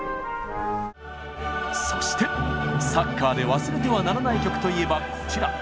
そしてサッカーで忘れてはならない曲といえばこちら。